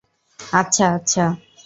আচ্ছা - আচ্ছা।